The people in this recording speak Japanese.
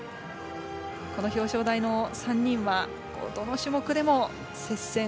表彰台の３人はどの種目でも接戦。